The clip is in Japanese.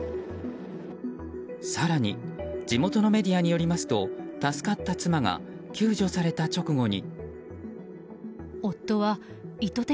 更に地元のメディアによりますと助かった妻が救助された直後に。